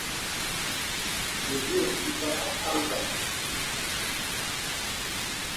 Le jour du départ arriva.